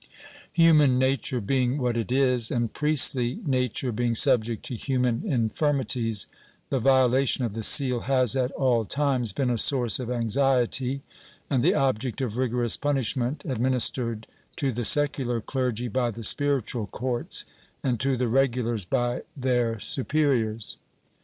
Human nature being what it is, and priestly nature being subject to human infirmities, the violation of the seal has, at all times, been a source of anxiety and the object of rigorous punishment, administered to the secular clergy by the spiritual courts, and to the regulars by their superiors.